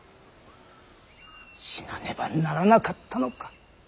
死なねばならなかったのか。